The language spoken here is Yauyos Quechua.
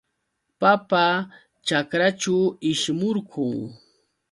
Papa ćhakraćhu ishmurqun.